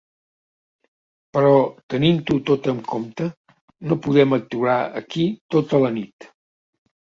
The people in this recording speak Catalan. Però, tenint-ho tot en compte, no podem aturar aquí tota la nit.